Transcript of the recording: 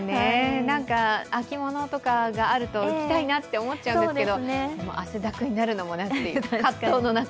秋物とかかがあると着たいなと思っちゃうんですけど、汗だくになるのもなという葛藤の中。